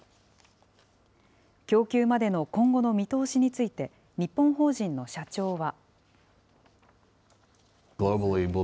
供給までの今後の見通しについて、日本法人の社長は。